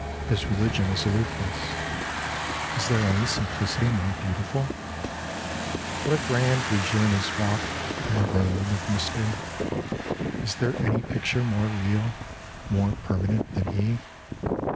His religion is aloofness, Is there any simplicity more beautiful ? What a grand leisure in his walk On the road of mystery : Is there any picture more real, More permanent than he